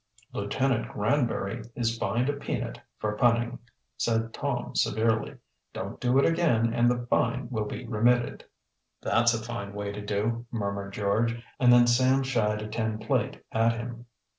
"Lieutenant Granbury is fined a peanut for punning," said Tom severely. "Don't do it again and the fine will be remitted." "That's a fine way to do," murmured George, and then Sam shied a tin plate at him.